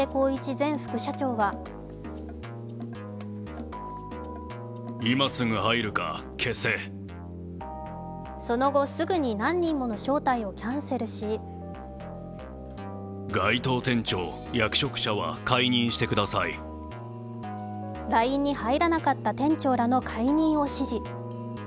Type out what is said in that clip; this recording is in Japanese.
前副社長はその後すぐに何人もの招待をキャンセルしＬＩＮＥに入らなかった店長らの解任を指示。